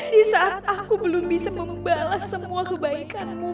di saat aku belum bisa membalas semua kebaikanmu